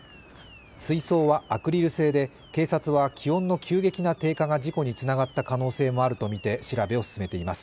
水槽はアクリル製で、警察は気温の急激な低下が事故につながった可能性もあるとみて、調べを進めています。